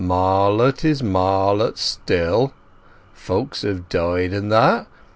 "Marlott is Marlott still. Folks have died and that.